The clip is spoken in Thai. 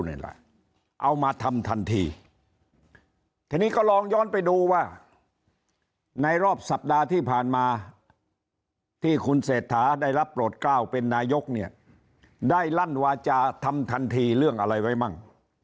นี่แหละเอามาทำทันทีทีนี้ก็ลองย้อนไปดูว่าในรอบสัปดาห์ที่ผ่านมาที่คุณเศรษฐาได้รับโปรดกล้าวเป็นนายกเนี่ยได้ลั่นวาจาทำทันทีเรื่องอะไรไว้มั่ง